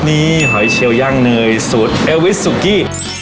นี่หอยเชียวย่างเนยสูตรเอวิสสุกี้